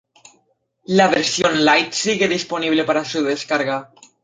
La versión Light sigue disponible para su descarga.